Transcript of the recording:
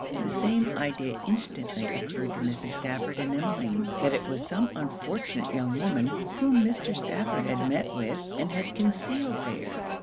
The same idea instantly occurred to Mrs. Stafford and Emmeline; that it was some unfortunate young woman, whom Mr. Stafford had met with and had concealed there.